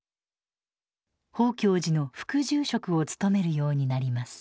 宝鏡寺の副住職を務めるようになります。